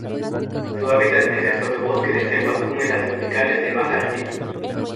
Su hábitat es el sotobosque de selvas húmedas tropicales de baja altitud.